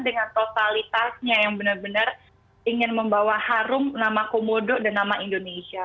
dengan totalitasnya yang benar benar ingin membawa harum nama komodo dan nama indonesia